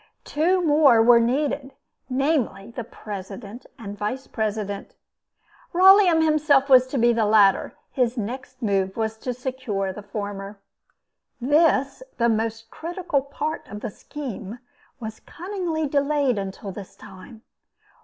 Two more were needed, namely the President and Vice President. Rolleum himself was to be the latter; his next move was to secure the former. This, the most critical part of the scheme, was cunningly delayed until this time.